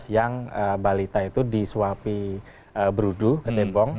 yang balita itu disuapi beruduh kecebong